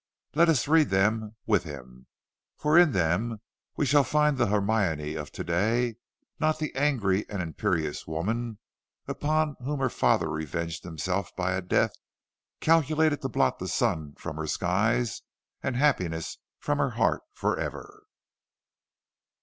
Let us read them with him, for in them we shall find the Hermione of to day, not the angry and imperious woman upon whom her father revenged himself by a death calculated to blot the sun from her skies and happiness from her heart forever.